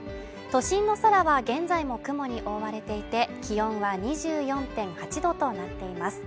都心の空は現在も雲に覆われていて気温は２４．８度となっています